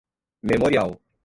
memorial